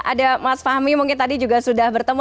ada mas fahmi mungkin tadi juga sudah bertemu